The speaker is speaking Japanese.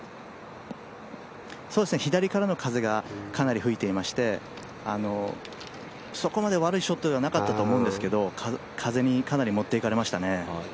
左からの風がかなり吹いていまして、そこまで悪いショットではなかったと思うんですけど風にかなり持っていかれましたね。